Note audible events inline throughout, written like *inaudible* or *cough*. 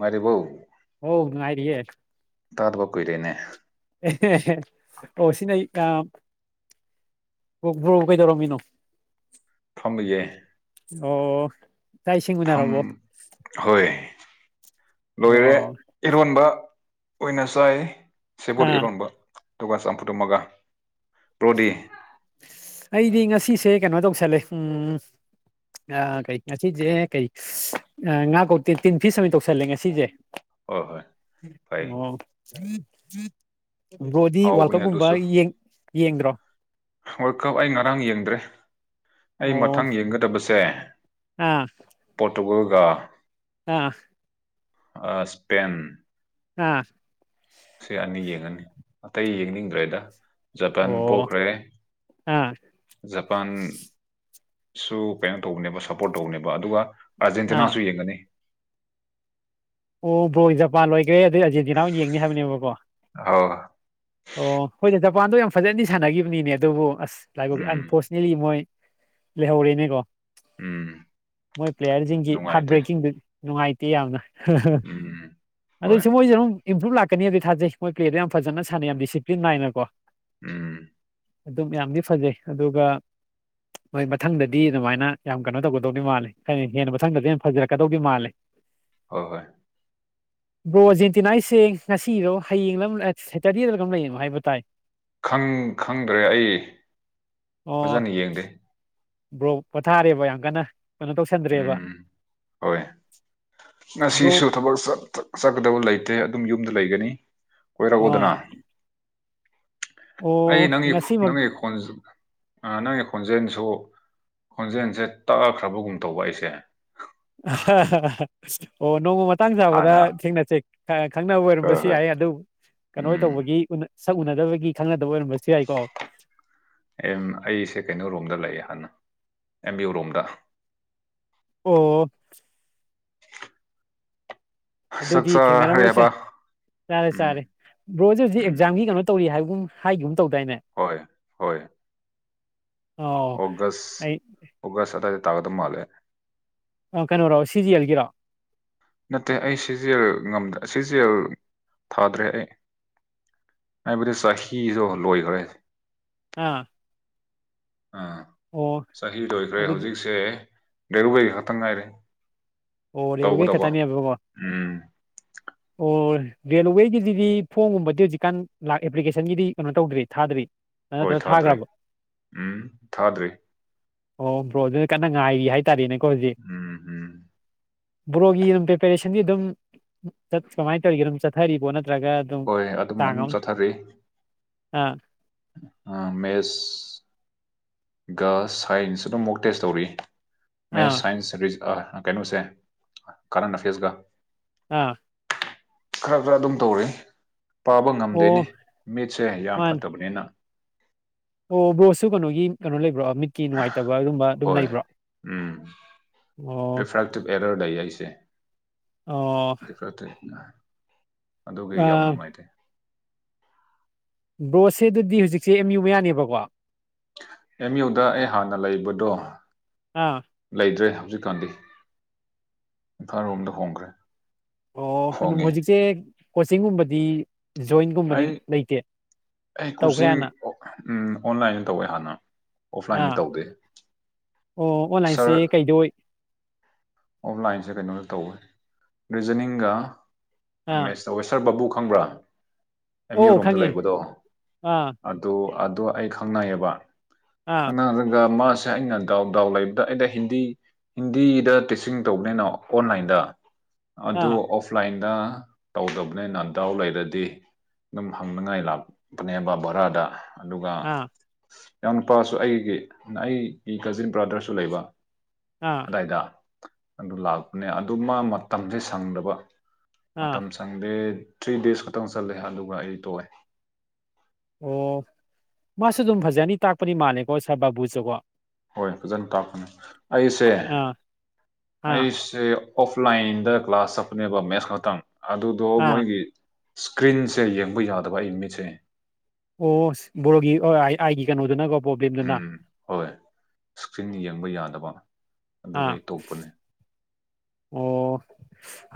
ꯃꯥꯔꯕꯣ ꯍ ꯉꯅꯨꯡꯉꯥꯏꯔꯤꯌꯦꯦ ꯇꯥꯗꯕ ꯀꯨꯣꯏꯔꯦꯅꯦ ꯑꯣ ꯁꯤꯅ ꯀ ꯭ꯔꯣ ꯀꯩꯗꯧꯔꯣꯃꯤꯅꯣ ꯐꯪ ꯌꯦꯦ ꯑꯣ ꯆꯥꯛ ꯏꯁꯤꯡ ꯐꯝ ꯎꯅꯔꯕꯣ ꯍꯣꯏ ꯂꯣꯏꯔꯦ ꯑꯣ ꯏꯔꯣꯟꯕ ꯑꯣꯏꯅ ꯆꯥꯏ ꯁꯦꯕꯣꯠ ꯑꯥ ꯏꯔꯣꯟꯕ ꯑꯗꯨꯒꯗꯨ ꯆꯝꯐꯨꯇ ꯃꯒ ꯄ꯭ꯔꯗꯤ ꯑꯩꯗꯤ ꯉꯁꯤꯁꯦ ꯀꯩꯅꯣ ꯇꯧꯁꯜꯂꯦ ꯎꯝ ꯑ ꯀꯩ ꯉꯁꯤꯁꯦ ꯀꯩ ꯉꯥ ꯀꯧꯇꯦ ꯇꯤꯟ ꯐꯤꯁ ꯑꯃ ꯇꯧꯁꯜꯂꯦ ꯉꯁꯤꯁꯦ ꯍꯣꯏ ꯍꯣꯏ ꯐꯩ ꯑꯣ ꯕ꯭ꯔꯣꯗꯤ ꯋꯥꯔꯜ ꯍꯥꯎꯕꯅꯦ ꯀꯞꯀꯨꯝꯕ ꯑꯗꯨꯁꯨ ꯌꯦ ꯌꯦꯡꯗ꯭ꯔꯣ ꯋꯥꯔꯜ ꯀꯞ ꯑꯩ ꯉꯔꯥꯡ ꯌꯦꯡꯗ꯭ꯔꯦ ꯑꯩ ꯑꯣ ꯃꯊꯪ ꯌꯦꯡꯒꯗꯕꯁꯦ ꯑꯥ ꯇꯧꯔꯒ ꯑꯥ ꯏꯁꯄꯦꯟ ꯑꯥ ꯗ꯭ꯔꯦꯗ ꯖꯄꯥꯟ ꯑꯣ ꯄꯣꯛꯈ꯭ꯔꯦ ꯑꯥ ꯖꯄꯥꯟ ꯁꯨ ꯀꯩꯅꯣ ꯇꯧꯕꯅꯦꯕ ꯁꯞꯄꯣꯔꯠ ꯇꯧꯕꯅꯦꯕ ꯑꯗꯨꯒ ꯑꯥ ꯑꯥꯔꯖꯦꯟꯇꯤꯅꯥꯁꯨ ꯌꯦꯡꯒꯅꯤ ꯑꯣꯕꯖꯄꯥꯟ ꯑꯣꯏꯣꯏ ꯑꯗꯨꯗꯩ ꯑꯥꯔꯖꯦꯟꯇꯤꯅꯥ ꯌꯦꯡꯅꯤ ꯍꯥꯏꯕꯅꯦꯕꯀꯣ ꯍꯣꯏ ꯑꯣ ꯍꯣꯏ ꯆ ꯖꯄꯥꯟꯗꯣ ꯌꯥꯝ ꯐꯖꯗꯤ ꯁꯥꯟꯅꯈꯤꯕꯅꯤꯅꯦ ꯑꯗꯨꯕꯨ ꯑꯁ ꯂꯥꯏꯕꯛ ꯎꯝ ꯑꯟꯐꯣꯔꯆꯨꯅꯦꯠꯂꯤ ꯃꯣꯏ ꯂꯩꯍꯧꯔꯦꯅꯦꯀꯣ ꯎꯝ ꯃꯣꯏ ꯄ꯭ꯂꯦꯌꯥꯔꯁꯤꯡꯒꯤ ꯍꯥꯔꯠ ꯅꯨꯡꯉꯥꯏꯇꯦ ꯕ꯭ꯔꯦꯛꯀꯤꯡꯗꯨ ꯅꯨꯡꯉꯥꯏꯇꯦ ꯌꯥꯝꯅ ꯎꯝ ꯍꯣꯏ ꯑꯗꯨꯁꯨ ꯃꯣꯏꯁꯦ ꯑꯗꯨꯝ ꯏꯝꯄ꯭ꯔꯨꯞ ꯂꯥꯛꯀꯅꯤꯕꯗꯤ ꯊꯥꯖꯩ ꯃꯣꯏ ꯀ꯭ꯦꯗꯣ ꯌꯥꯝ ꯐꯖ ꯁꯥꯟꯅꯩ ꯌꯥꯝ ꯗꯤꯁꯤꯄ꯭ꯂꯤ ꯏꯅꯀꯣ ꯎꯝ ꯑꯗꯨꯝ ꯌꯥꯝꯗꯤ ꯐꯖꯩ ꯑꯗꯨꯒ ꯍꯣꯏ ꯃꯊꯪꯗꯗꯤ ꯑꯗꯨꯃꯥꯏꯅ ꯌꯥꯝ ꯀꯩꯅꯣ ꯇꯧꯒꯗꯧꯅꯤ ꯃꯥꯜꯂꯦ ꯍꯥꯏ ꯍꯦꯟꯅ ꯃꯊꯪꯗꯗꯤ ꯌꯥꯝ ꯐꯖꯔꯛꯀꯗꯧꯗꯤ ꯃꯥꯜꯂꯦ ꯍꯣꯏ ꯍꯣꯏ ꯕ꯭ꯔꯣꯖꯦꯟꯇꯤꯅꯥꯁꯦ ꯉꯁꯤꯔꯣ ꯍꯌꯦꯡꯡꯂ ꯁꯦꯇꯔꯗꯤꯗ ꯀꯔꯝ ꯂꯩꯅꯣ ꯍꯥꯏꯕ ꯇꯥꯏ ꯪ ꯈꯪꯗ꯭ꯔꯦ ꯑꯩ ꯑꯣ ꯐꯖꯅ ꯌꯦꯡꯗꯦ ꯕ꯭ꯔꯣ ꯄꯣꯊꯥꯔꯦꯕ ꯌꯥꯝ ꯀꯟꯅ ꯀꯩꯅꯣ ꯇꯧꯁꯟꯗ꯭ꯔꯦꯕ ꯎꯝ ꯍꯣꯏ ꯕ꯭ꯔꯣ ꯉꯁꯤꯁꯨ ꯊꯕꯛ ꯆꯠꯀꯗꯕ ꯂꯩꯇꯦ ꯑꯗꯨꯝ ꯌꯨꯝꯗ ꯂꯩꯒꯅꯤ ꯑꯣ ꯀꯣꯏꯔꯒꯣꯗꯅ ꯑꯩ ꯑꯣ ꯅꯪ ꯉꯁꯤꯃꯛ ꯅꯪꯒꯤ ꯈꯣꯟꯁꯤ ꯅꯪꯒꯤ ꯈꯣꯟꯖꯦꯜꯁꯨ ꯈꯣꯟꯖꯦꯜꯁꯦ ꯇꯛꯑꯈ꯭ꯔꯕꯒꯨꯝ ꯇꯧꯕ ꯑꯩꯁꯦ ꯑꯣ ꯅꯣ ꯃ ꯃꯇꯥꯡ ꯆꯥꯕꯗ ꯍꯥꯟꯅ ꯊꯦꯡꯅꯁꯩ ꯈꯪꯅꯕ ꯍꯣꯏ ꯑꯣꯏꯔꯝꯕꯁꯨ ꯍꯣꯏ ꯌꯥꯏ ꯑꯗꯨ ꯀꯩꯅꯣ ꯎꯝ ꯇꯧꯕꯒꯤ ꯁꯛ ꯎꯅꯗꯕꯒꯤ ꯈꯪꯅꯗꯕ ꯑꯣꯏꯔꯝꯕꯁ ꯑ ꯑꯩꯁꯦ ꯀꯩꯅꯣ ꯔꯨꯝꯝꯗ ꯂꯩꯑꯦ ꯍꯥꯟꯅ ꯑꯦꯝꯌꯨ ꯔꯣꯝꯗ ꯑꯣ ꯑꯗꯨꯗꯤ ꯆꯥꯛꯆꯥꯔꯦꯕ ꯊꯦꯡꯅꯔꯝꯃꯁꯦ ꯆꯥꯔꯦ ꯎꯝ ꯆꯥꯔꯦ ꯕ꯭ꯔꯣꯖ ꯍꯧꯖꯤꯛ ꯎꯝ ꯑꯦꯛꯖꯥꯝꯒꯤ ꯀꯩꯅꯣ ꯇꯧꯔꯤ ꯍꯥꯏꯕꯒꯨꯝ ꯍꯥꯏꯌ ꯎ ꯍꯣꯏ ꯍꯣꯏ ꯑꯧ ꯑꯣꯒꯁ ꯑꯩ ꯑꯣꯒꯁ ꯑꯗꯥꯏꯗ ꯇꯥꯀꯗ ꯃꯥꯜꯂꯦ ꯀꯩꯅꯣꯔꯣ ꯁꯤꯖꯤꯑꯦꯜ ꯒꯤꯔꯣ ꯅꯠꯇꯦ ꯑꯩ ꯁꯤꯖꯦꯜꯗ ꯁꯤꯖꯦꯜ ꯊꯥꯗ꯭ꯔꯦ ꯑꯩ ꯍꯥꯏꯕꯗꯤ ꯆꯍꯤꯗꯣ ꯂꯣꯏꯈ꯭ꯔꯦ ꯑꯥ ꯑꯥ ꯑꯣ ꯆꯍꯤ ꯂꯣꯏꯈ꯭ꯔꯦ ꯑꯗꯨꯗꯤ ꯍꯧꯖꯤꯛꯁꯦ ꯗꯦꯔꯨꯕ ꯈꯛꯇꯪ ꯉꯥꯏꯔꯦ ꯑꯣ ꯌꯦꯔꯜꯋꯦ ꯇꯧꯒꯗꯕ ꯈꯛꯇꯅꯦꯕꯀꯣ ꯎꯝ ꯑꯣ ꯔꯦꯜꯋꯦꯒꯤꯗꯨꯗꯤ ꯐꯣꯝꯒꯨꯝꯕꯗꯤ ꯍꯧꯖꯤꯛꯀꯥꯟ ꯑꯦꯄ꯭ꯂꯤꯀꯦꯁꯟꯒꯤꯗꯤ ꯀꯩꯅꯣ ꯇꯧꯗ꯭ꯔꯤ ꯊꯥꯗ꯭ꯔꯤ ꯅꯠꯇ꯭ꯔ ꯍꯣꯏ ꯊꯥꯗ꯭ꯔꯦ ꯊꯥꯈ꯭ꯔꯕꯣ ꯎꯝ ꯊꯥꯗ꯭ꯔꯤ ꯑꯣ ꯕ꯭ꯔꯣ ꯑꯗꯨꯅ ꯀꯟꯅ ꯉꯥꯏꯔꯤ ꯍꯥꯏꯇꯥꯔꯦꯅꯦꯀꯣ ꯍꯧꯖꯤꯛ ꯎꯝ ꯎꯝ ꯕ꯭ꯔꯣꯒꯤ ꯑꯗꯨꯝ ꯄ꯭ꯔꯤꯄꯦꯔꯦꯁꯟꯗꯤ ꯑꯗꯨꯝ ꯀꯃꯥꯏꯅ ꯇꯧꯔꯤꯒꯦ ꯑꯗꯨꯝ ꯆꯠꯊꯔꯤꯕꯣ ꯅꯠꯇ ꯆ꯭ꯔꯒ ꯑꯗꯨꯝ ꯍꯣꯏ ꯑꯗꯨꯝ ꯆꯥꯡ ꯑꯗꯨꯝ ꯆꯠꯊꯔꯤ ꯑꯃ ꯃꯦꯠꯁꯒ ꯁꯥꯏꯟꯁ ꯑꯗꯨ ꯑꯃꯨꯛ ꯇꯦꯁ ꯇꯧꯔ ꯃꯦꯁ ꯑꯥ ꯁꯥꯏꯟꯁ ꯀꯩꯅꯣꯁꯦ ꯀꯥꯔꯟ ꯅꯐꯦꯁꯒ ꯑꯥ ꯈꯔ ꯈꯔ ꯑꯗꯨꯝ ꯇꯧꯔꯤ ꯄꯥꯕ ꯉꯝꯗꯣꯏꯅꯤ ꯑꯣ ꯃꯤꯠꯁꯦ ꯌꯥꯝ ꯃꯥꯅꯦ ꯐꯠꯇꯕꯅꯤꯅ ꯑꯣ ꯕꯣꯁꯁꯨ ꯀꯩꯅꯣꯒꯤ ꯀꯩꯅꯣ ꯂꯩꯕ꯭ꯔꯣ ꯃꯤꯠꯀꯤ ꯅꯨꯡꯉꯥꯏꯇꯕ ꯑꯗꯨꯒꯝꯕ ꯑꯗꯨꯝ ꯍꯣꯏ ꯂꯩꯕ꯭ꯔꯣ ꯎꯝ ꯑꯣ ꯗꯥꯏꯁꯦ ꯑꯣ ꯏ *inaudible* ꯐꯇ ꯑꯗꯨꯒꯤ ꯌꯥꯝ ꯑꯥ ꯅꯨꯡꯉꯥꯏꯇꯦ ꯕ꯭ꯔꯣꯁꯦ ꯑꯗꯨꯗꯤ ꯍꯧꯖꯤꯛꯁꯦ ꯑꯦꯝ ꯌꯨ ꯃꯌꯥꯅꯦꯕꯀꯣ ꯑꯦꯝ ꯌꯨꯗ ꯑꯩ ꯍꯥꯟꯅ ꯂꯩꯕꯗꯣ ꯑꯥ ꯂꯩꯇ꯭ꯔꯦ ꯍꯧꯖꯤꯛꯀꯥꯟꯗꯤ ꯏꯝꯐꯥꯜꯔꯣꯝꯗ ꯍꯣꯡꯈ꯭ꯔꯦ ꯑꯣ ꯀꯩꯅꯣ ꯍꯣꯡꯉꯦ ꯍꯧꯖꯤꯛꯁꯦ ꯀꯣꯆꯤꯡꯒꯨꯝꯕꯗꯤ ꯖꯣꯏꯟꯒꯨꯝꯕꯗꯤ ꯑꯩ ꯂꯩꯇꯦ ꯑꯩ ꯇꯧꯈ꯭ꯔꯦ ꯀꯣꯆꯤꯡ ꯍꯥꯟꯅ ꯑꯣꯟꯂꯥꯏꯟꯗ ꯇꯧꯋꯦ ꯍꯥꯟꯅ ꯑꯣꯐꯂꯥꯏꯟꯗꯤ ꯑꯥ ꯇꯧꯗꯦ ꯑꯣ ꯑꯣꯟꯂꯥꯏꯟꯁꯦ ꯁꯥꯔ ꯀꯩꯗ ꯑꯣꯏ ꯑꯣꯐꯂꯥꯏꯟꯁꯦ ꯀꯩꯅꯣꯗ ꯇꯧꯋꯦ ꯔꯤꯖꯅꯤꯡꯒ ꯑꯥ ꯃꯦꯁꯇꯋꯦꯁꯔ ꯕꯥꯕꯨ ꯈꯪꯕ꯭ꯔꯥ ꯑꯦꯝ ꯌꯨ ꯑꯣ ꯔꯣꯝꯗ ꯈꯪꯉꯦ ꯂꯩꯕꯗꯣ ꯑꯥ ꯑꯗꯨ ꯑꯗꯨ ꯑꯩ ꯈꯪꯅꯩꯌꯦꯕ ꯑꯥ ꯑꯉꯒ ꯃꯥ ꯁꯦ ꯑꯩꯅ ꯗꯥꯎ ꯗꯥꯎ ꯂꯩꯕꯗ ꯑꯩꯩꯅ ꯍꯤꯟꯗꯤ ꯍꯤꯟꯗꯤꯗ ꯇꯧꯕꯅꯤꯅ ꯑꯣꯟꯂꯥꯏꯟꯗ ꯑꯗꯨ ꯑꯥ ꯑꯣꯐꯂꯥꯏꯟ ꯅ ꯇꯧꯗꯕꯅꯦ ꯅꯥꯟꯗꯥꯎ ꯂꯩꯔꯗꯤ ꯑꯗꯨꯝ ꯍꯪꯅꯉꯥꯏ ꯂꯥꯛꯄꯅꯦꯕ ꯕꯔꯥꯗ ꯑꯗꯨꯒ ꯑꯥ ꯏꯎꯅꯨꯄꯥꯁꯨ ꯑꯩꯒꯤ ꯑꯩꯒꯤ ꯀꯖꯤꯟ ꯕ꯭ꯔꯗꯔꯁꯨ ꯂꯩꯕ ꯑꯥ ꯑꯗꯥꯏꯗ ꯑꯗꯨ ꯂꯥꯛꯄꯅꯦ ꯑꯗꯨ ꯃꯥ ꯃꯇꯝꯁꯦ ꯁꯪꯗꯕ ꯑꯥ ꯃꯇꯝ ꯆꯪꯗꯦ ꯊ꯭ꯔꯤ ꯗꯦꯖ ꯈꯛꯇꯪ ꯆꯠꯂꯦ ꯑꯗꯨꯒ ꯑꯩ ꯇꯣꯛꯑꯦ ꯑꯣ ꯃꯥꯁꯨ ꯑꯗꯨꯝ ꯐꯖꯅꯤ ꯇꯥꯛꯄꯅꯤ ꯃꯥꯜꯂꯀꯣ ꯁꯥꯔ ꯕꯥꯕꯨꯁꯨꯀꯣ ꯍꯣꯏ ꯐꯖꯅ ꯇꯥꯛꯀꯅꯤ ꯑꯩꯁꯦ ꯑꯥ ꯑꯥ ꯑꯩꯁꯦ ꯑꯣꯐꯂꯥꯏꯟꯗ ꯀ꯭ꯂꯥꯁ ꯆꯠꯄꯅꯦꯕ ꯃꯦꯠꯁ ꯈꯛꯇꯪ ꯑꯗꯨꯗꯣ ꯑꯥ ꯃꯣꯏꯒꯤ ꯏꯁ꯭ꯀ꯭ꯔꯤꯟꯁꯦ ꯌꯦꯡꯕ ꯌꯥꯗꯕ ꯑꯩ ꯃꯤꯠꯁꯦ ꯑꯣ ꯕꯔꯣꯒꯤ ꯑꯥꯏꯒꯤ ꯀꯩꯅꯣꯗꯨꯅꯀꯣ ꯄ꯭ꯔꯣꯕ꯭ꯂꯦꯝꯗꯨꯅ ꯕ ꯌꯥꯗꯕ ꯑꯗꯨꯒ ꯑꯥ ꯑꯩ ꯇꯣꯛꯄꯅꯦ ꯑꯣ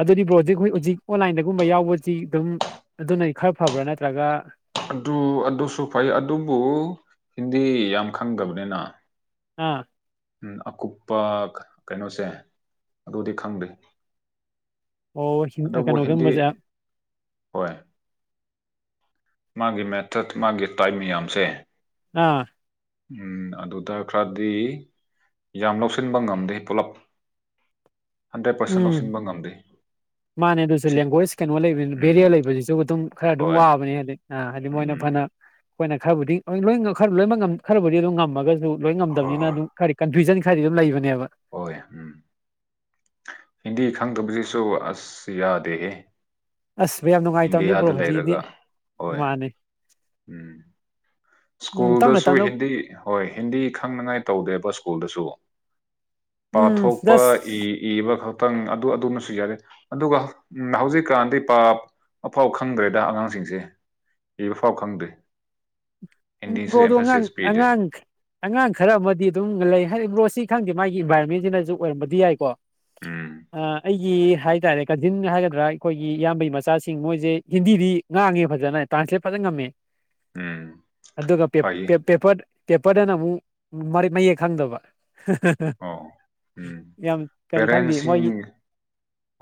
ꯑꯗꯨꯗꯤ ꯕ꯭ꯔꯣ ꯍꯧꯖꯤꯛ ꯍꯧꯖꯤꯛ ꯑꯣꯟꯂꯥꯏꯟꯗ ꯑꯗꯨꯒꯨꯝꯕ ꯌꯥꯎꯕꯁꯤ ꯑꯗꯨꯝ ꯑꯗꯨꯅꯗꯤ ꯈꯔ ꯐꯕ꯭ꯔꯥ ꯅꯠꯇ꯭ꯔꯒ ꯑꯗꯨ ꯑꯗꯨꯁꯨ ꯐꯩ ꯑꯗꯨꯕꯨ ꯍꯤꯟꯗꯤ ꯌꯥꯝ ꯈꯪꯗꯕꯅꯤꯅ ꯑꯥ ꯎ ꯑꯀꯨꯞꯄ ꯀꯩꯅꯣꯁꯦ ꯑꯗꯨꯗꯤ ꯈꯪꯗꯦ ꯑꯣ ꯍꯤꯟ ꯑꯗꯨꯕꯨ ꯍꯤꯟꯗꯤ ꯀꯩꯅꯣꯒꯪꯕꯖꯥ ꯍꯣꯏ ꯃꯥꯒꯤ ꯃꯦꯊꯠ ꯃꯥꯒꯤ ꯇꯥꯏꯞ ꯃꯌꯥꯝꯁꯦ ꯑꯥ ꯎꯝ ꯑꯗꯨꯗ ꯈꯔꯗꯤ ꯌꯥꯝ ꯂꯧꯁꯤꯟꯕ ꯉꯝꯗꯦ ꯄꯨꯂꯞ ꯍꯟꯗ꯭ꯔꯦꯠ ꯄꯥꯔꯁꯦꯟ ꯎꯝ ꯂꯧꯁꯤꯟꯕ ꯉꯝꯗꯦ ꯃꯥꯅꯦ ꯑꯗꯨꯁꯨ ꯁꯤ ꯂꯦꯡꯒ꯭ꯋꯦꯁ ꯀꯩꯅꯣ ꯂꯩꯕꯅꯤ ꯎꯝ ꯕꯦꯔꯤꯌ ꯂꯩꯕꯁꯤꯁꯨ ꯑꯗꯨꯝ ꯈꯔ ꯑꯗꯨꯝ ꯍꯣꯏ ꯋꯥꯕꯅꯦ ꯍꯥꯏꯗꯤ ꯍꯥꯏꯗꯤ ꯃꯣꯏꯅ ꯐ ꯀꯅ ꯎꯝ ꯑꯩꯈꯣꯏꯅ ꯈꯔꯕꯨꯗꯤ ꯂꯣꯏ ꯈꯔ ꯂꯣꯏꯅꯃꯛ ꯈꯔꯕꯨꯗꯤ ꯑꯗꯨꯝ ꯉꯝꯃꯒꯁꯨ ꯂꯣꯏꯅ ꯉꯝꯗꯅꯤꯅ ꯑꯗꯨꯝ ꯈꯗꯤ ꯀꯟꯐ꯭ꯌꯨꯖꯟ ꯝ ꯂꯩꯕꯅꯦꯕ ꯍ ꯎꯝ ꯍꯤꯟꯗꯤ ꯈꯪꯗꯕꯁꯤꯁꯨ ꯑꯁ ꯌꯥꯗꯦꯍꯦ ꯑꯁ ꯌꯥꯝ ꯅꯨꯡꯉꯥꯏꯇꯕꯅꯤ ꯕ꯭ꯔꯣ ꯏꯟꯗꯤꯌꯥꯗ ꯍꯧꯖꯤꯛꯀꯤꯗꯤ ꯂꯩꯔꯒ ꯍꯣꯏ ꯃꯥꯅꯦ ꯎꯝ ꯎꯝ ꯇꯞꯅ ꯁ꯭ꯀꯨꯜꯗꯁꯨ ꯇꯞꯅ ꯍꯤꯟꯗꯤ ꯍꯣꯏ ꯍꯤꯟꯗꯤ ꯈꯪꯅꯉꯥꯏ ꯇꯧꯗꯦꯕ ꯁ꯭ꯀꯨꯜꯗꯁꯨ ꯎꯝ ꯄꯥꯊꯣꯛꯄ ꯏ ꯖꯁ ꯏꯕ ꯈꯛ ꯈꯤꯇꯪ ꯑꯗꯨ ꯑꯗꯨꯃꯁꯨ ꯌꯥꯗꯦ ꯑꯗꯨꯒ ꯍꯧꯖꯤꯛꯀꯥꯟꯗꯤ ꯄꯥꯞ ꯑꯐꯥꯎ ꯈꯪꯗ꯭ꯔꯦꯗ ꯑꯉꯥꯡꯁꯤꯡꯁꯦ ꯏꯕ ꯐꯥꯎ ꯈꯪꯗ꯭ꯦ ꯎ ꯕ꯭ꯔꯣꯗꯣ ꯑꯉꯥꯡ ꯑꯉꯥꯡ ꯑꯉꯥꯡ ꯈꯔ ꯑꯃꯗꯤ ꯑꯗꯨꯝ ꯂꯩ ꯍꯥꯏꯔꯤꯕ ꯕ꯭ꯔꯣꯁꯤ ꯏꯊꯪꯗꯦ ꯃꯥꯒꯤ ꯏꯟꯚꯥꯏꯔꯣꯟꯃꯦꯟꯁꯤꯅꯁꯨ ꯑꯣꯏꯔꯝꯕꯗꯤ ꯌꯥꯏꯀꯣ ꯎꯝ ꯑꯩꯒꯤ ꯍꯥꯏꯇꯥꯔꯦ ꯀꯥꯖꯤꯟ ꯍꯥꯏꯒꯗ꯭ꯔꯥ ꯑꯩꯈꯣꯏꯒꯤ ꯏꯌꯥꯝꯕꯩ ꯃꯆꯥꯁꯤꯡ ꯃꯣꯏꯖ‌ꯦ ꯍꯤꯟꯗꯤꯗꯤ ꯉꯥꯡꯉꯦ ꯐꯖꯅ ꯇꯔꯥꯟꯁꯂ‌ꯦꯠ ꯐꯖꯅ ꯉꯝꯃꯦ ꯎꯝ ꯑꯗꯨꯒ ꯄ‌ꯦ ꯐꯩꯌꯦ ꯄꯦꯄꯔ ꯄꯦꯄꯔꯗꯅꯃꯨꯛ ꯃꯔ‌ꯦ ꯃꯌꯦꯛ ꯈꯪꯗꯕ *unintelligible* ꯑꯣ ꯎꯝ ꯌꯥꯝ ꯀꯩꯅꯣ ꯈꯪꯗꯦ ꯄꯦꯔꯦꯟꯁꯁꯤꯡ ꯃꯣꯏꯒꯤ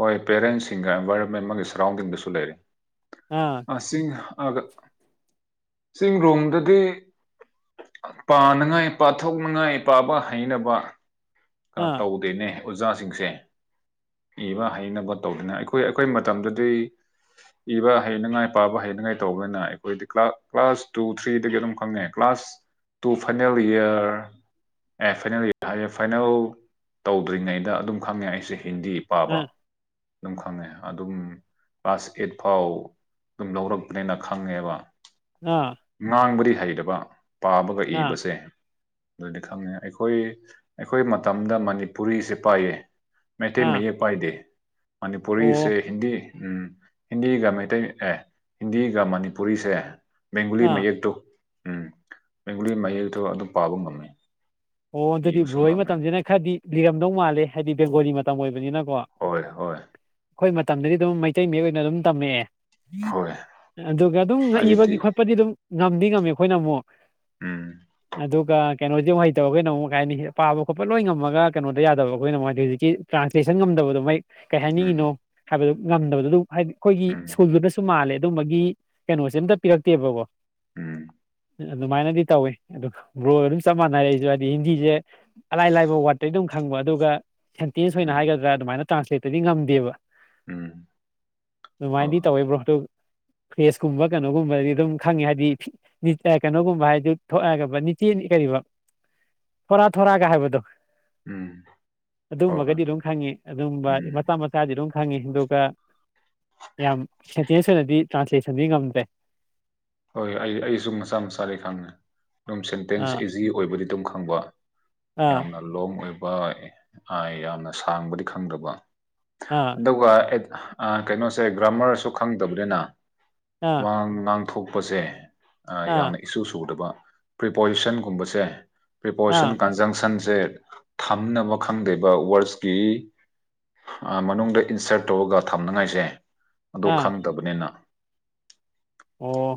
ꯍꯣꯏ ꯄꯦꯔꯦꯟꯁꯤꯡꯒ ꯑꯦꯟꯚꯥꯏꯔꯣꯟꯃꯦꯟ ꯑꯃꯒꯤ ꯁꯔꯥꯎꯟꯗꯤꯡꯗꯁꯨ ꯂꯩꯔꯦ ꯑꯥ ꯑꯁ ꯆꯤꯡ ꯑꯒ ꯆꯤꯡ ꯔꯣꯝꯗꯗꯤ ꯄꯥꯅꯉꯥꯏ ꯄꯥꯊꯣꯛꯅꯉꯥꯏ ꯄꯥꯕ ꯍꯩꯅꯕ ꯀ ꯑꯥ ꯇꯧꯗꯦꯅꯦ ꯑꯣꯖꯥꯁꯤꯡꯁꯦ ꯏꯕ ꯍꯩꯅꯕ ꯇꯧꯗꯅ ꯑꯩꯈꯣꯏ ꯑꯩꯈꯣꯏ ꯃꯇꯝꯗꯗꯤ ꯏꯕ ꯍꯩꯅꯉꯥꯏ ꯄꯥꯕ ꯍꯩꯅꯉꯥꯏ ꯇꯧꯕꯅ ꯑꯩꯈꯣꯏꯗꯤ ꯀꯂꯥ ꯀ꯭ꯂꯥꯁ ꯇꯨ ꯊ꯭ꯔꯤꯗꯒꯤ ꯑꯗꯨꯝ ꯈꯪꯉꯦ ꯀ꯭ꯂꯥꯁ ꯇꯨ ꯐꯥꯏꯅꯦꯜ ꯏꯌꯔ ꯑꯦ ꯐꯥꯏꯅꯦꯜꯌꯥꯔ ꯍꯥꯏꯔ ꯐꯥꯏꯅꯦꯜ ꯇꯧꯗ꯭ꯔꯤꯉꯩꯗ ꯑꯗꯨꯝ ꯈꯪꯉꯦ ꯑꯩꯁꯦ ꯍꯤꯟꯗꯤ ꯄꯥꯕ ꯑꯥ ꯑꯗꯨꯝ ꯈꯪꯉꯦ ꯑꯗꯨꯝ ꯀ꯭ꯂꯥꯁ ꯑꯦꯠ ꯐꯥꯎ ꯑꯗꯨꯝ ꯂꯧꯔꯛꯄꯅꯦꯅ ꯈꯪꯉꯦꯕ ꯑꯥ ꯉꯥꯡꯕꯗꯤ ꯍꯩꯔꯕ ꯄꯥꯕꯒ ꯑꯥ ꯏꯕꯁꯦ ꯑꯗꯨꯗꯤ ꯈꯪꯉꯦ ꯑꯩꯈꯣꯏ ꯑꯩꯈꯣꯏ ꯃꯇꯝꯗ ꯃꯅꯤꯄꯨꯔꯤꯁꯦ ꯄꯥꯏꯌꯦ ꯃꯩꯇꯩ ꯑꯥ ꯃꯌꯦꯛ ꯄꯥꯏꯗꯦ ꯃꯅꯤꯄꯨꯔꯤꯁꯦ ꯑꯣ ꯍꯤꯟꯗꯤ ꯎꯝ ꯍꯤꯟꯗꯤꯒ ꯃꯩꯇꯩ ꯑꯦ ꯍꯤꯟꯗꯤꯒ ꯃꯅꯤꯄꯨꯔꯤꯁꯦ ꯕꯦꯡꯒꯨꯂꯤ ꯑꯥ ꯃꯌꯦꯛꯇꯣ ꯎꯝ ꯕꯦꯡꯒꯨꯂꯤ ꯃꯌꯦꯛꯇꯣ ꯑꯗꯨ ꯄꯥꯕ ꯉꯝꯃꯤ ꯑꯣ ꯑꯗꯨꯗꯤ ꯕ꯭ꯔ‌ꯣꯍ‌ꯣꯏ ꯃꯇꯝꯁꯤꯅ ꯈꯔꯗꯤ ꯂꯤꯔꯝꯗꯧ ꯃꯥꯜꯂꯦ ꯍꯥꯏꯗꯤ ꯕꯦꯡꯒꯣꯂꯤ ꯃꯇꯝ ꯑꯣꯏꯕꯅꯤꯅ ꯀꯣ ꯍꯣꯏ ꯍꯣꯏ ꯑꯩꯈꯣꯏ ꯃꯇꯝꯗꯗꯤ ꯑꯗꯨꯝ ꯃꯩꯇꯩ ꯃꯌꯦꯛ ꯑꯣꯏꯅ ꯑꯗꯨꯝ ꯇꯝꯃꯛꯑꯦ ꯍꯣꯏ ꯑꯗꯨꯒ ꯑꯗꯨꯝ ꯑꯩꯗꯤ ꯏꯕꯒꯤ ꯈꯣꯠꯄꯗꯤ ꯑꯗꯨꯝ ꯉꯝꯗꯤ ꯉꯝꯃ‌ꯦ ꯑꯩꯈꯣꯏꯅ ꯑꯃꯨꯛ ꯎꯝ ꯑꯗꯨꯒ ꯀꯩꯅꯣꯖꯤ ꯍꯩ ꯇꯧꯋ‌ꯦ ꯅ‌ꯣꯡꯃ ꯀꯥꯏꯅꯤ ꯄꯥꯕ ꯈꯣꯠꯄ ꯂꯣꯏ ꯉꯝꯃꯒ ꯀꯩꯅ‌ꯣꯗ ꯌꯥꯕ ꯈ‌ꯣꯏꯅ ꯃꯨꯛ ꯍꯥꯏꯗꯤ ꯍꯧꯖꯤꯛ ꯇ꯭ꯔꯥꯟꯂꯦꯁꯟ ꯉꯝꯗꯕꯗꯣ ꯃꯥꯌ‌ꯦ ꯀꯩ ꯎꯝ ꯍꯥꯏꯅꯤꯡꯉꯤꯅꯣ ꯍꯥꯏꯕꯗꯨ ꯉꯝꯗꯕꯗꯨ ꯑꯗꯨ ꯍꯥꯏꯗꯤ ꯑꯩꯈꯣꯏꯒꯤ ꯎꯝ ꯁ꯭ꯀꯨꯜꯗꯨꯅꯁꯨ ꯃꯥꯜꯂꯦ ꯑꯗꯨꯝꯕꯒꯤ ꯀꯩꯅꯣꯁꯦ ꯑꯝꯇ ꯄꯤꯔꯛꯇꯦꯕꯀꯣ ꯎꯝ ꯑꯗꯨꯃꯥꯏꯅꯗꯤ ꯇꯧꯏ ꯑꯗꯨꯒ ꯕ꯭ꯔꯣ ꯒ ꯑꯗꯨꯝ ꯆꯞ ꯃꯥꯟꯅꯔ ꯑꯩ ꯑꯗꯨ ꯍꯥꯏꯗꯤ ꯍꯤꯟꯗꯤꯁꯦ ꯑꯂꯥꯏ ꯂꯥꯏꯕ ꯋꯥꯔꯗꯇꯒꯤ ꯑꯗꯨꯝ ꯈꯪꯕ ꯑꯗꯨꯒ ꯁꯦꯟꯇꯦꯟꯁ ꯑꯣꯏꯅ ꯎꯝ ꯍꯥꯏꯒꯗ꯭ꯔꯥ ꯑꯗꯨꯃꯥꯏꯅ ꯇ꯭ꯔꯥꯟꯁꯂꯦꯠꯇꯗꯤ ꯉꯝꯗꯦꯕ ꯎꯝ ꯍꯣꯏ ꯑꯗꯨꯃꯥꯏꯅꯗꯤ ꯍꯣꯏ ꯇꯧꯋꯦ ꯕ꯭ꯔꯣ ꯑꯗꯨ ꯐ꯭ꯔꯦꯁꯀꯨꯝꯕ ꯀꯩꯅꯣꯒꯨꯝꯕꯗꯤ ꯑꯗꯨꯝ ꯈꯪꯉ‌ꯦ ꯍꯥꯏꯗꯤ ꯐꯤ ꯅꯤ ꯀꯩꯅꯣꯒꯨꯝꯕ ꯍꯥꯏꯗꯤ ꯊꯣꯛꯒꯕꯅꯤ ꯅꯤꯆꯦꯟ ꯀꯔꯤꯕ ꯐꯣꯔꯥ ꯊꯣꯔꯥ ꯒ ꯍꯥꯏꯕꯗ‌ꯣ ꯎꯝ ꯍꯣꯏ ꯍꯣꯏ ꯑꯗꯨꯝꯕꯒꯗꯤ ꯑꯗꯨꯝ ꯈꯪꯉ‌ꯦ ꯑꯗꯨꯝꯕ ꯎꯝ ꯃꯆꯥ ꯃꯆꯥꯗꯤ ꯑꯗꯨꯝ ꯈꯪꯉꯤ ꯑꯗꯨꯒ ꯌꯥꯝ ꯁꯦꯟꯇꯦꯟꯁ ꯑꯣꯏꯅꯗꯤ ꯇ꯭ꯔꯥꯟꯁꯂꯦꯁꯟꯗꯤ ꯉꯝꯗ‌ꯦ ꯍꯣꯏ ꯑꯩ ꯑꯩꯁꯨ ꯃꯆꯥ ꯃꯆꯥꯗꯤ ꯈꯪꯉꯦ ꯑꯗꯨꯝ ꯁꯦꯟꯇꯦꯟꯁ ꯑꯥ ꯏꯖꯤ ꯑꯣꯏꯕꯗꯤ ꯑꯗꯨꯝ ꯈꯪꯕ ꯑꯥ ꯌꯥꯝꯅ ꯂꯣꯡ ꯑꯣꯏꯕ ꯑ‌ꯦ ꯑꯥ ꯌꯥꯝꯅ ꯁꯥꯡꯕꯗꯤ ꯈꯪꯗꯕ ꯑꯥ ꯑꯗꯨꯒ ꯑꯦ ꯑꯥ ꯀꯩꯅꯣꯁꯦ ꯒ꯭ꯔꯥꯃꯥꯔꯁꯨ ꯈꯪꯗꯕꯅꯤꯅ ꯑꯥ ꯋꯥ ꯉꯥꯡꯊꯣꯛꯄꯁꯦ ꯑꯥ ꯌꯥꯝꯅ ꯏꯁꯨ ꯁꯨꯗꯕ ꯄ꯭ꯔꯤꯄꯣꯖꯤꯁꯟꯒꯨꯝꯕꯁꯦ ꯑꯥ ꯄ꯭ꯔꯤꯄꯣꯖꯤꯁꯟ ꯀꯟꯖꯪꯁꯟ ꯁꯦ ꯊꯝꯅꯕ ꯈꯪꯗ‌ꯦꯕ ꯋꯥꯔꯁꯀꯤ ꯑꯥ ꯃꯅꯨꯡꯗ ꯏꯟꯁꯔꯠ ꯇꯧꯔꯒ ꯊꯝꯅꯤꯉꯥꯏꯁꯦ ꯑꯗꯨ ꯑꯥ ꯈꯪꯗꯕꯅꯤꯅ ꯑꯣ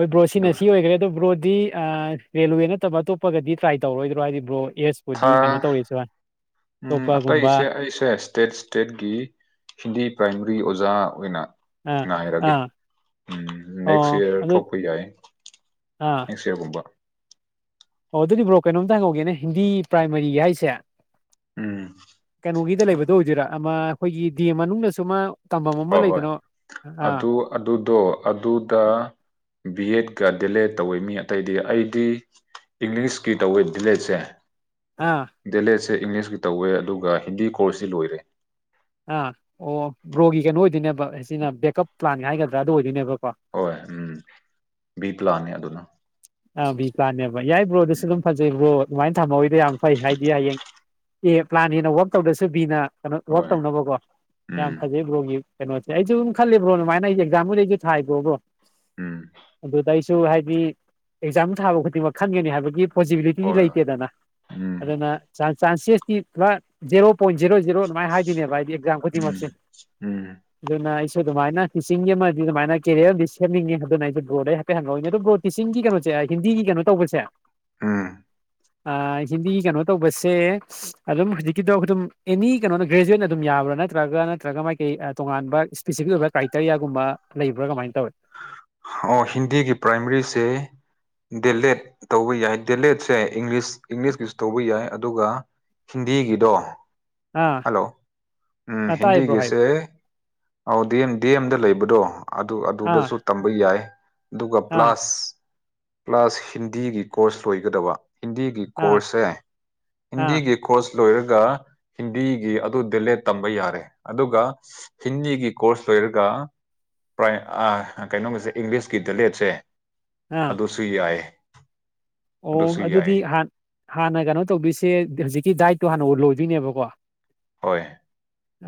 ꯍꯣꯏ ꯕ꯭ꯔꯣ ꯁꯤꯅ ꯑꯗꯨꯒ ꯁꯤ ꯑꯣꯏꯈ꯭ꯔꯦ ꯑꯗꯣ ꯕ꯭ꯔꯣꯗꯤ ꯑꯑ ꯔꯦꯜꯋꯦ ꯅꯠꯇꯕ ꯑꯇꯣꯞꯄꯒꯗꯤ ꯇ꯭ꯔꯥꯏ ꯇꯧꯔꯣꯏꯗ꯭ꯔꯣ ꯍꯥꯏꯗꯤ ꯕ꯭ꯔꯣ ꯊꯥ ꯐꯦꯁꯄꯨꯗꯤ ꯀꯩꯅꯣ ꯇꯧꯋ‌ꯦꯁꯨ ꯍꯥꯏ ꯎꯝ ꯑꯇꯩꯁꯦ ꯑꯩꯁꯦ ꯏꯁꯇꯦꯠ ꯏꯁꯇꯦꯠꯀꯤ ꯍꯤꯟꯗꯤ ꯄꯔꯥꯏꯃ ꯔꯤ ꯑꯣꯖꯥ ꯑꯣꯏꯅ ꯑꯥ ꯉꯥꯏꯔꯒꯦ ꯑꯥ ꯎꯝ ꯅꯦꯛꯁ ꯑꯣ ꯏꯌꯥꯔ ꯑꯗꯨ ꯊꯣꯛꯄ ꯌꯥꯏ ꯑꯥ ꯅ‌ꯦꯛꯁ ꯏꯌꯥꯔꯒꯨꯝꯕ ꯑꯣ ꯑꯗꯨꯗꯤ ꯕ꯭ꯔꯣ ꯀꯩꯅꯣꯝꯇꯪ ꯍꯧꯧꯒꯦꯅꯦ ꯍꯤꯟꯗꯤ ꯄ꯭ꯔꯥꯏꯃꯥꯔꯤꯒꯤ ꯍꯥꯏꯁꯦ ꯎꯝ ꯗ ꯂꯩꯕꯗꯣ ꯑꯣꯏꯗꯣꯏꯔꯥ ꯑꯃ ꯑꯩꯈꯣꯏꯒꯤ ꯗꯦ ꯃꯅꯨꯡꯗꯁꯨ ꯃꯥ ꯍꯣꯏ ꯍꯣꯏ ꯑꯗꯨ ꯑꯗꯨꯗꯣ ꯑꯗꯨꯗ ꯕꯤ ꯑꯦꯠ ꯀ ꯗꯤꯂꯦ ꯇꯧꯋꯦ ꯃꯤ ꯑꯇꯩꯗꯤ ꯑꯩꯗꯤ ꯏꯪꯂꯤꯁꯀꯤ ꯇꯧꯋꯦ ꯗꯤꯂꯦꯁꯦ ꯑꯥ ꯁꯦ ꯏꯪꯂꯤꯁꯀꯤ ꯇꯧꯋꯦ ꯑꯗꯨꯒ ꯍꯤꯟꯗꯤ ꯀꯣꯔꯁꯁꯤ ꯂꯣꯏꯔꯦ ꯑꯥ ꯑꯣ ꯕ꯭ꯔꯣꯒꯤ ꯀꯩꯅꯣ ꯑꯣꯏꯗꯣꯏꯅꯦꯕ ꯁꯤꯅ ꯕꯦꯛꯀꯞ ꯄ꯭ꯂꯥꯟ ꯍꯥꯏꯒꯗ꯭ꯔꯥ ꯑꯗꯨ ꯑꯣꯏꯗꯣꯏꯅꯦꯕ ꯍꯣꯏ ꯎꯝ ꯕꯤ ꯄ꯭ꯂꯥꯟꯅꯦ ꯑꯗꯨꯅ ꯑꯕꯤ ꯄꯥꯅꯦꯕ ꯌꯥꯏ ꯕ꯭ꯔꯣꯗꯁꯨ ꯑꯗꯨꯝ ꯎꯝ ꯐꯖꯩ ꯕ꯭ꯔꯣ ꯑꯗꯨꯃꯥꯏꯅ ꯊꯝꯃꯧꯣꯏꯗꯤ ꯌꯥꯝ ꯐꯩ ꯍꯥꯏꯗꯤ ꯍꯌꯦꯡ ꯑꯦ ꯄ꯭ꯂꯥꯟꯅꯦꯅ ꯋꯥꯛ ꯇꯧꯗ꯭ꯔꯁꯨ ꯕꯤꯅ ꯀꯩꯅꯣ ꯋꯥꯛ ꯍꯣꯏ ꯇꯧꯅꯕꯀꯣ ꯌꯥꯝ ꯎꯝ ꯐꯖꯩ ꯕ꯭ꯔꯣꯒꯤ ꯀꯩꯅꯣꯁꯦ ꯑꯩꯁꯨ ꯑꯗꯨꯝ ꯈꯜꯂꯤꯕ꯭ꯔꯣ ꯑꯗꯨꯃꯥꯏꯅ ꯑꯩ ꯑꯦꯛꯖꯥꯝꯨ ꯂꯩꯩꯁꯨ ꯊ ꯍꯥꯏꯕ꯭ꯔꯣꯕꯣ ꯎꯝ ꯁꯨ ꯍꯥꯏꯗꯤ ꯑꯦꯛꯖꯥꯝ ꯊꯥꯕ ꯈꯨꯗꯤꯡꯃꯛ ꯈꯪꯒꯅꯤ ꯍꯥꯏꯕꯒꯤ ꯄꯣꯖꯤꯕꯤꯂꯤꯇꯤꯗꯤ ꯍꯣꯏ ꯂꯩꯇꯦꯗꯅ ꯎꯝ ꯑꯗꯨꯅ ꯆꯥꯟꯁꯦꯁꯇꯤ ꯄꯨꯔꯥ ꯖꯦꯔꯣ ꯄꯣꯏꯟ ꯖꯤꯔꯣ ꯖꯤꯔꯣ ꯑꯗꯨꯃꯥꯏꯅ ꯍꯥꯏꯕꯤꯣꯏꯅꯦꯕ ꯍꯥꯏꯗꯤ ꯑꯦꯛꯖꯥꯝ ꯎꯝ ꯈꯨꯗꯤꯡꯃꯛꯁꯦ ꯎꯝ ꯑꯗꯨꯅ ꯑꯗꯨꯃꯥꯏꯅ ꯇꯤꯆꯤꯡꯒꯤ ꯑꯃꯗꯤ ꯑꯗꯨꯃꯥꯏꯅ ꯀꯦꯔꯤꯌꯔ ꯑꯃꯗꯤ ꯁꯦꯝꯅꯤꯡꯉꯦ ꯑꯗꯨꯅ ꯑꯩ ꯕꯗ ꯑꯩ ꯍꯥꯏꯐꯠ ꯍꯉꯛꯏꯅꯤ ꯑꯗꯨ ꯇꯤꯤꯡ ꯀꯩꯅꯣ ꯍꯤꯟꯗꯤꯒꯤ ꯀꯩꯅꯣ ꯇꯧꯕꯁꯦ ꯑꯥ ꯍꯤꯟꯗꯤ ꯀꯩꯅꯣ ꯇꯧꯕꯁꯦ ꯑꯗꯨꯝ ꯍꯧꯖꯤꯛꯀꯤꯗꯣ ꯑꯗꯨ ꯑꯗꯨꯝ ꯑꯦꯅꯤ ꯀꯩꯅꯣꯗ ꯒ꯭ꯔꯦꯖꯨꯋꯦꯠꯅ ꯑꯗꯨꯝ ꯌꯥꯕ ꯕ꯭ꯔꯥ ꯅꯠꯇ꯭ꯔꯒ ꯅꯠꯇ꯭ꯔꯒ ꯃꯥꯏꯀꯩ ꯇꯣꯉꯥꯟꯕ ꯏꯁꯄꯦꯁꯤꯐꯤꯛ ꯑꯣꯏꯕ ꯀ꯭ꯔꯥꯏꯇꯔꯤꯌꯥꯒꯨꯝꯕ ꯂꯩꯕ꯭ꯔꯥ ꯀꯃꯥꯏꯅ ꯇꯧꯋꯦ *inaudible* ꯑꯣ ꯍꯤꯟꯗꯤꯒꯤ ꯄ꯭ꯔꯥꯏꯃꯔꯤꯁꯦ ꯗꯦꯂꯦꯠ ꯇꯧꯕ ꯌꯥꯏ ꯗꯦꯂꯦꯠꯁꯦ ꯏꯪꯂꯤꯁ ꯏꯪꯂꯤꯁꯀꯤꯁ ꯇꯧꯕ ꯌꯥꯏ ꯑꯗꯨꯒ ꯍꯤꯟꯗꯤꯒꯤꯗꯣ ꯑꯥ ꯍꯜꯂꯣ ꯎꯝ ꯑꯥ ꯇꯥꯏꯌꯦ ꯕ꯭ꯔꯣ ꯍꯥꯏꯌꯨ ꯍꯤꯟꯗꯤꯒꯤꯁꯦ ꯑꯧ ꯗꯗꯤ ꯑꯦꯝ ꯗꯤ ꯑꯦꯝꯗ ꯂꯩꯕꯗꯣ ꯑꯗꯨ ꯑꯥ ꯑꯗꯨꯗꯁꯨ ꯇꯝꯕ ꯌꯥꯏ ꯑꯗꯨꯒ ꯑꯥ ꯄ꯭ꯂꯁ ꯄ꯭ꯂꯁ ꯍꯤꯟꯗꯤꯒꯤ ꯀꯣꯔꯁ ꯂꯣꯏꯒꯗꯕ ꯍꯤꯟꯗꯤꯒꯤ ꯑꯥ ꯀꯣꯔꯁꯁꯦ ꯑꯥ ꯍꯤꯟꯗꯤꯒꯤ ꯀꯣꯔꯁ ꯂꯣꯏꯔꯒ ꯍꯤꯟꯗꯤꯒꯤ ꯑꯗꯨ ꯗꯦꯂꯦ ꯇꯝꯕ ꯌꯥꯔꯦ ꯑꯗꯨꯒ ꯍꯤꯟꯗꯤꯒꯤ ꯀꯣꯔꯁ ꯂꯣꯏꯔꯒ ꯄ ꯀꯩꯅꯣꯝꯒꯤꯁꯦ ꯏꯪꯂꯤꯁꯀꯤ ꯗꯂꯦꯠꯁꯦ ꯑꯥ ꯑꯗꯨꯁꯨ ꯌꯥꯏ ꯑꯣ ꯑꯗꯨꯁꯨ ꯌꯥꯏ ꯑꯗꯨꯗꯤꯥꯟ ꯍꯥꯟꯅ ꯀꯩꯅꯣ ꯇꯧꯗꯣꯏꯁꯦ ꯍꯧꯖꯤꯛ ꯀ ꯗꯥꯏꯠꯇꯣ ꯍꯥꯟꯅ ꯂꯣꯏꯗꯣꯏꯅꯦꯕꯀꯣ ꯍꯣꯏ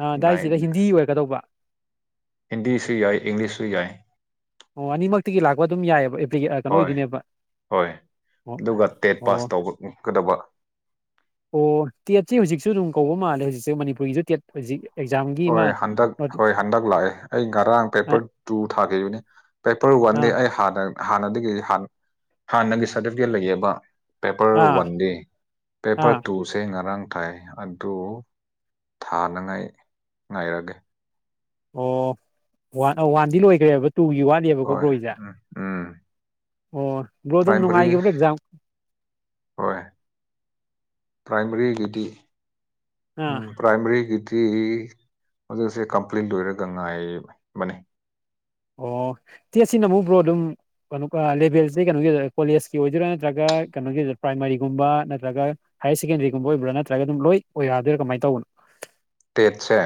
ꯑ ꯗꯥꯏꯠ ꯗꯥꯏꯠꯁꯤꯗ ꯍꯤꯟꯗꯤ ꯑꯣꯏꯔꯛꯀꯗꯧꯕ ꯍꯤꯟꯗꯤꯁꯨ ꯌꯥꯏ ꯏꯪꯂꯤꯁꯁꯨ ꯌꯥꯏ ꯑꯣ ꯑꯅꯤꯃꯛꯇꯒꯤ ꯂꯥꯛꯄ ꯑꯗꯨꯝ ꯌꯥꯏꯑꯕ ꯤ ꯀꯩꯅꯣ ꯍꯣꯏ ꯑꯣꯏꯗꯤꯣꯏꯅꯦꯕ ꯍꯣꯏ ꯑꯣ ꯑꯗꯨꯒ ꯇꯦꯠ ꯄꯥꯁ ꯑꯣ ꯇꯧꯒꯗꯕ ꯑꯣ ꯇꯦꯠꯁꯤ ꯍꯧꯖꯤꯛꯁꯨ ꯑꯗꯨꯝ ꯀꯧꯕ ꯃꯥꯜꯂꯦ ꯍꯧꯖꯤꯛꯁꯦ ꯃꯅꯤꯄꯨꯔꯒꯤꯁꯨ ꯇꯦꯠ ꯍꯧꯖꯤꯛ ꯑꯦꯛꯖꯥꯝꯒꯤ ꯑꯃ ꯍꯣꯏ ꯍꯟꯗꯛ ꯑꯥ ꯍꯣꯏ ꯍꯟꯗꯛ ꯂꯥꯛꯑꯦ ꯑꯩ ꯉꯔꯥꯡ ꯄꯦꯄꯔ ꯇꯨ ꯊꯥꯈꯤꯕꯅꯤ ꯄꯦꯄꯔ ꯋꯥꯟꯗꯤ ꯑꯥ ꯑꯩ ꯍꯥꯟꯅ ꯍꯥꯟꯅꯗꯒꯤ ꯍꯥꯟꯅꯒꯤ ꯁꯥꯔꯇꯤꯐꯤꯀꯦꯠ ꯂꯩꯌꯦꯕ ꯄꯦꯄꯔ ꯑꯥ ꯋꯥꯟꯗꯤ ꯄꯦꯄꯔ ꯑꯥ ꯇꯨꯁꯦ ꯉꯔꯥꯡ ꯇꯥꯏ ꯑꯗꯨ ꯊꯥꯅꯉꯥꯏ ꯉꯥꯏꯔꯒꯦ ꯑꯣꯟ ꯋꯥꯟꯗꯤ ꯂꯣꯏꯈ꯭ꯔꯦꯕ ꯇꯨꯒꯤ ꯋꯥꯠꯂꯤꯕꯀꯣ ꯍꯣꯏ ꯕ꯭ꯔꯣꯏꯖꯥ ꯎꯝ ꯎꯝ ꯑꯣ ꯕ꯭ꯔꯣ ꯑꯗꯨꯝ ꯄ꯭ꯔꯥꯏꯃꯔꯤ ꯅꯨꯡꯉꯥꯏꯈꯤꯕ꯭ꯔꯣ ꯑꯦꯛꯖꯥꯝ ꯄꯥꯏꯃꯔꯤꯇ ꯑꯥ ꯎꯝ ꯄꯥꯏꯃꯔꯤ ꯀꯇ ꯁꯤ ꯃꯗꯛꯁꯦ ꯀꯝꯄ꯭ꯂꯦꯟ ꯂꯣꯏꯔꯒ ꯉꯥꯏꯕꯅꯦ ꯑꯣ ꯇꯦ ꯁꯤꯅ ꯑꯃꯨꯛ ꯭ꯔꯣ ꯑꯗꯨꯝ ꯀꯩꯅꯣ ꯂꯦꯚꯦꯜꯁꯤ ꯀꯩꯅꯣꯒꯤ ꯀꯣꯂꯦꯖꯀꯤ ꯑꯣꯏꯗꯣꯏꯔꯥ ꯅꯠꯇ꯭ꯔꯒ ꯀꯩꯅꯣ ꯄ꯭ꯔꯥꯏꯃꯥꯔꯤꯒꯨꯝꯕ ꯅꯠꯇ꯭ꯔꯒ ꯍꯥꯌꯌꯔ ꯁꯦꯀꯦꯟꯗꯔꯤꯒꯨꯝꯕ ꯑꯣꯏꯕ꯭ꯔꯥ ꯅꯠꯇ꯭ꯔꯒ ꯑꯗꯨꯝ ꯂꯣꯏ ꯑꯣꯏ ꯌꯥꯗꯣꯏꯔꯥ ꯀꯃꯥꯏꯅ ꯇꯧꯕꯅꯣ ꯑ ꯇꯦꯠꯁꯦ